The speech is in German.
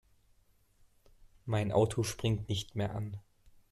Mein Auto springt nicht mehr an.